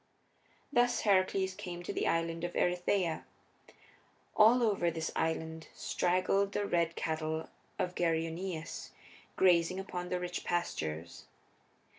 Thus Heracles came to the Island of Erytheia. All over the island straggled the red cattle of Geryoneus, grazing upon the rich pastures.